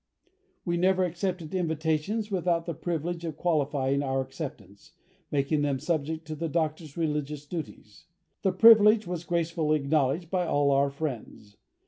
We never accepted invitations without the privilege of qualifying our acceptance, making them subject to the Doctor's religious duties. The privilege was gracefully acknowledged by all our friends.